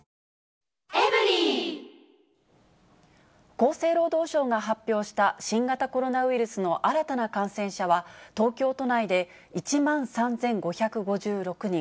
厚生労働省が発表した新型コロナウイルスの新たな感染者は、東京都内で１万３５５６人。